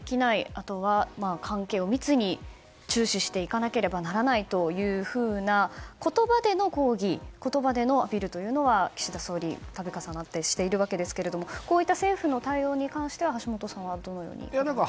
あとは関係を密に注視していかなければならないという言葉での抗議言葉でのアピールは岸田総理、度重なってしているわけですけどもこういった政府の対応に関してはどのようにお考えですか。